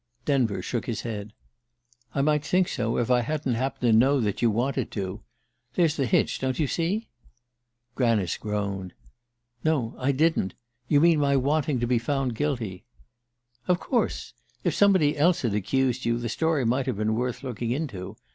Denver shook his head. "I might think so if I hadn't happened to know that you wanted to. There's the hitch, don't you see?" Granice groaned. "No, I didn't. You mean my wanting to be found guilty ?" "Of course! If somebody else had accused you, the story might have been worth looking into.